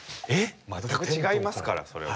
全く違いますからそれは。